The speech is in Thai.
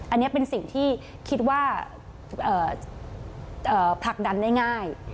อันนี้เป็นสิ่งที่คิดว่าผลักดันได้ง่าย